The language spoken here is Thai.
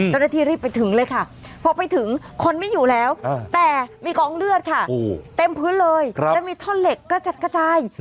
เจ้าหน้าที่รีบไปถึงเลยค่ะพอไปถึงคนไม่อยู่แล้วแต่มีกองเลือดค่ะเต็มพื้นเลยแล้วมีท่อนเหล็กกระจัดกระจาย